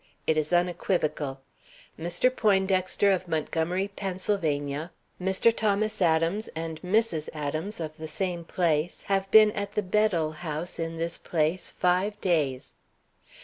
It is unequivocal: 'Mr. Poindexter of Montgomery, Pa. Mr. Thomas Adams and Mrs. Adams of the same place have been at the Bedell House in this place five days.'"